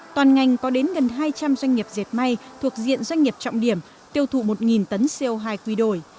toàn ngành có đến gần hai trăm linh doanh nghiệp dẹp may thuộc diện doanh nghiệp trọng điểm tiêu thụ một tấn co hai quy đổi